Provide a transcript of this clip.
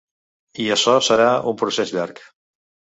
I açò serà un procés llarg.